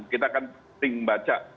kita kan penting membaca